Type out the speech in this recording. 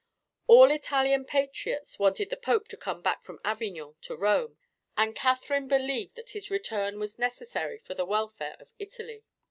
All Italian patriots wanted the Pope to come back from Avignon to Rome, and Catherine believed that his return was necessary for the welfare of Italy.